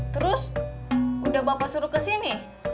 terus udah bapak suruh ke sini